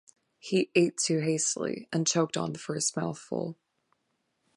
He ate too hastily, and choked on the first mouthful.